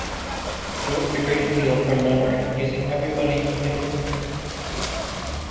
He worked a great deal from memory, using everybody he knew.